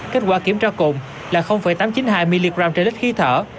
kết quả kiểm tra cồn là tám trăm chín mươi hai mg trên lít khí thở